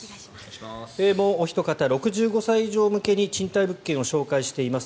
もうおひと方６５歳以上向けに賃貸物件を紹介しています